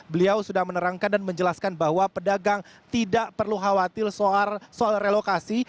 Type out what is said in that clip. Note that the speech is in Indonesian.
beliau sudah menerangkan dan menjelaskan bahwa pedagang tidak perlu khawatir soal relokasi